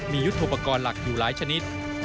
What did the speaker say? มียุทธโปรกรณ์หลักอยู่หลายชนิด